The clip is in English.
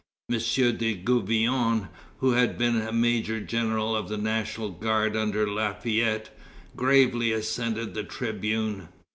M. de Gouvion, who had been major general of the National Guard under Lafayette, gravely ascended the tribune.